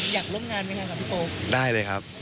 อยากร่วมงานมีงานกับพี่โป๊บ